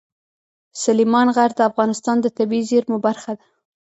سلیمان غر د افغانستان د طبیعي زیرمو برخه ده.